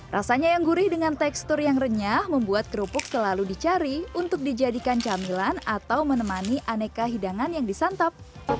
rasanya yang gurih dengan tekstur yang renyah membuat kerupuk selalu dicari untuk dijadikan camilan atau menemani aneka hidangan yang disantap